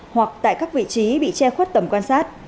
hoặc tại các vị trí bị che khuất tầm quan sát